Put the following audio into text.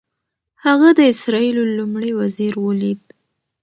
هغه د اسرائیلو لومړي وزیر ولید.